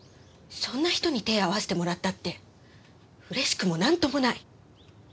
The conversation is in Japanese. そんな人に手合わせてもらったってうれしくもなんともない。